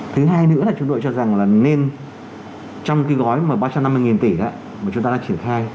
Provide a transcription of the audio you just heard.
thứ hai nữa là chúng tôi cho rằng là nên trong cái gói ba trăm năm mươi tỷ mà chúng ta đã triển khai